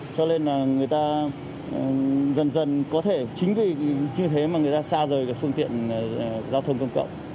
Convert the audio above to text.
cho nên là người ta dần dần có thể chính vì như thế mà người ta xa rời cái phương tiện giao thông công cộng